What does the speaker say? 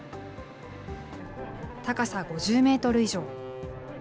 高さ５０メートル以上。